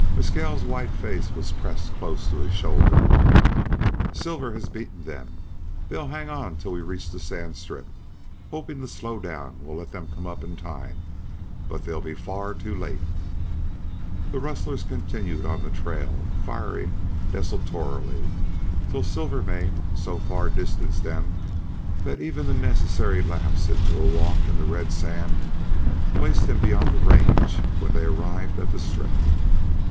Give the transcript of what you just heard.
Mescal's white face was pressed close to his shoulder. "Silver has beaten them. They'll hang on till we reach the sand strip, hoping the slow down will let them come up in time. But they'll be far too late." The rustlers continued on the trail, firing desultorily, till Silvermane so far distanced them that even the necessary lapse into a walk in the red sand placed him beyond range when they arrived at the strip.